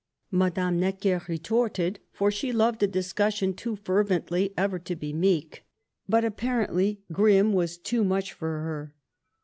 Madame Necker retorted, for she loved a discussion too fervently ever to be meek ; but apparently Grimm was too much for her.